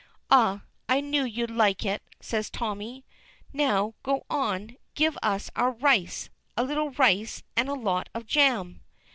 "Ah! I knew you'd like it," says. Tommy. "Now go on; give us our rice a little rice and a lot of jam."